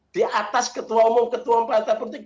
di atas ketua umum ketua partai politik